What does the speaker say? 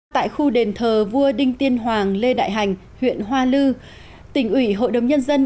tại khu đền thờ vua đinh tiên hoàng lê đại hành huyện hoa lư tỉnh ủy hội đồng nhân dân